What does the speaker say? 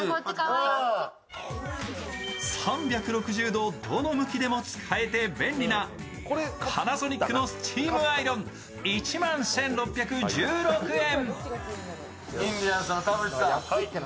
３６０度どの向きでも使えて便利なパナソニックのスチームアイロン、１万１６１６円。